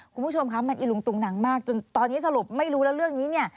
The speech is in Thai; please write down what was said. คุณผู้ชมคะมันอิลุงตุงนังมากจนตอนนี้สรุปไม่รู้แล้วเรื่องนี้เนี่ย